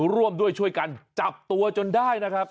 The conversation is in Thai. ร่วมด้วยช่วยกันจับตัวจนได้นะครับ